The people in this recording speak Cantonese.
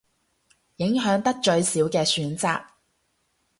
影響得最少嘅選擇